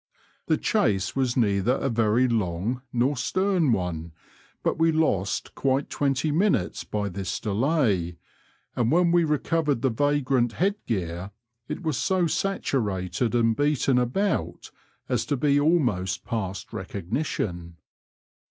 The chase was neither a very long nor stern one, but we lost quite twenty minutes by this delay, and when we recovered the vagrant head gear it was so saturated and beaten about as to be almost past recognition.